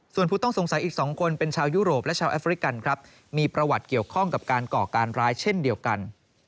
ส่วนผู้ต้องสงสัยอีก๒คนเป็นชาวยุโรปและชาวแอฟริกัน